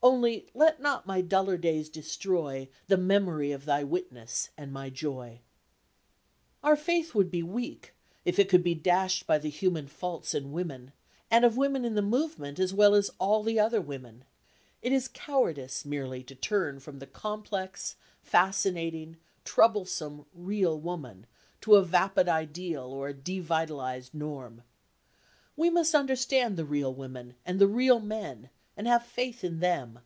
Only let not my duller days destroy The memory of thy witness and my joy." Our faith would be weak if it could be dashed by the human faults in women, and of women in the movement as well as all the other women. It is cowardice, merely, to turn from the complex, fascinating, troublesome, real woman to a vapid ideal, or a devitalised norm. We must understand the real women and the real men, and have faith in them.